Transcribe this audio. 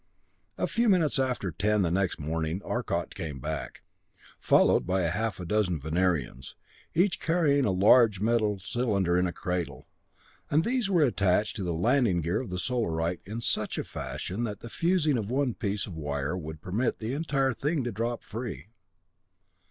A few minutes after ten the next morning Arcot came back, followed by half a dozen Venerians, each carrying a large metal cylinder in a cradle. These were attached to the landing gear of the Solarite in such fashion that the fusing of one piece of wire would permit the entire thing to drop free.